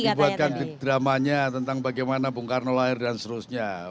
dibuatkan di dramanya tentang bagaimana bung karno lahir dan seterusnya